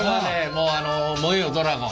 もう「燃えよドラゴン」。